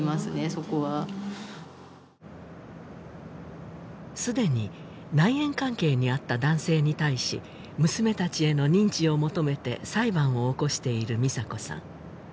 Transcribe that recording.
そこはすでに内縁関係にあった男性に対し娘たちへの認知を求めて裁判を起こしている美砂子さん